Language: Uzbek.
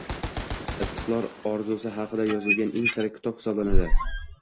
istiqlol orzusi haqida yozilgan eng sara kitob hisoblanadi.